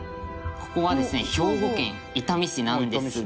ここはですね兵庫県伊丹市なんですが。